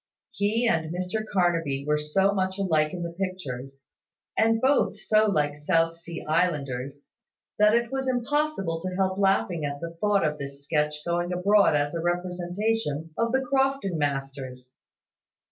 He and Mr Carnaby were so much alike in the pictures, and both so like South Sea islanders, that it was impossible to help laughing at the thought of this sketch going abroad as a representation of the Crofton masters.